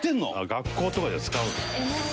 学校とかでは使うんだ。